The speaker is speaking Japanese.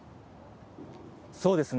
そうですね。